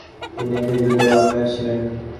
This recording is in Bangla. তিনি একটি যুদ্ধজাহাজের কমান্ডার ছিলেন।